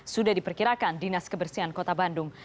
sudah diperkirakan dinas kebersihan kota bandung